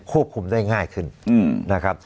คุมได้ง่ายขึ้นนะครับ